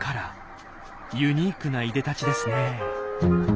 ユニークないでたちですね。